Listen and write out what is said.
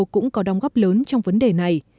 cũng có đóng góp lớn trong vấn đề này